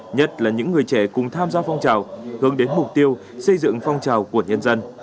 nhất là những người trẻ cùng tham gia phong trào hướng đến mục tiêu xây dựng phong trào của nhân dân